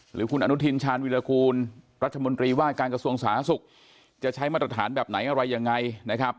หรือคุณอนุทินชาญวิรากูลรัฐมนตรีว่าการกระทรวงสาธารณสุขจะใช้มาตรฐานแบบไหนอะไรยังไงนะครับ